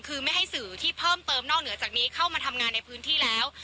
คือไม่ให้สื่อที่เพิ่มเติมนอกเหนือจากนี้เข้ามาทำงานในพื้นที่แล้ว